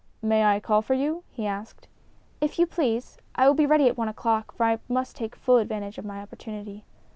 "May I call for you?" he asked. "If you please. I will be ready at one o'clock, for I must take full advantage of my opportunity."